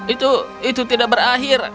itu itu tidak berakhir